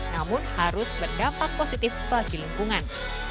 namun harus berdampak positif bagi lingkungan